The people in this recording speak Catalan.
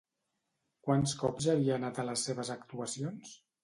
Quants cops havia anat a les seves actuacions?